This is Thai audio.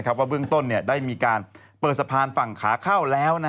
ว่าเบื้องต้นได้มีการเปิดสะพานฝั่งขาเข้าแล้ว